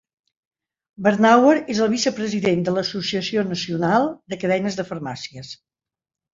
Bernauer és el vicepresident de l'Associació nacional de cadenes de farmàcies.